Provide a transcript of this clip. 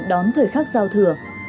sống thời khắc giao thừa